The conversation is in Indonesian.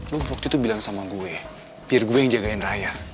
lo waktu itu bilang sama gue biar gue yang jagain raya